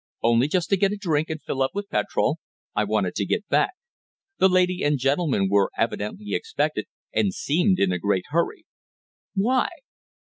"Only just to get a drink and fill up with petrol. I wanted to get back. The lady and gentleman were evidently expected, and seemed in a great hurry." "Why?"